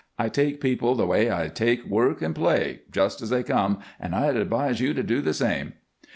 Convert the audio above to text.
I take people the way I take work and play just as they come and I'd advise you to do the same."